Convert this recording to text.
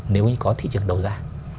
nếu như có thị trường đầu ra